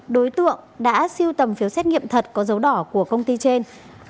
đối tượng đã siêu tầm phiếu xét nghiệm thật có dấu đỏ của công ty trên